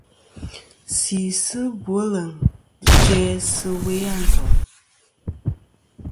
Sisɨ bweleŋ jæ sɨ we a ntoyn.